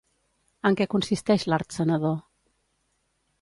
En què consisteix l'art sanador?